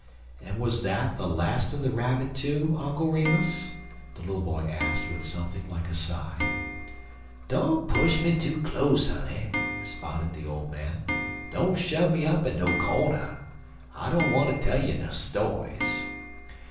"And was that the last of the Rabbit, too, Uncle Remus?" the little boy asked, with something like a sigh. "Don't push me too close, honey," responded the old man; "don't shove me up in no cornder. I don't wanter tell you no stories.